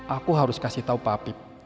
aku harus kasih tau papip